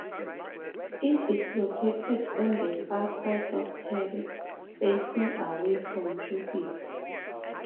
It is located on the far side of Thebe, facing away from Jupiter.